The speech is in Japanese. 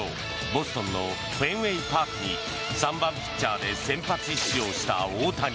ボストンのフェンウェイパークに３番ピッチャーで先発出場した大谷。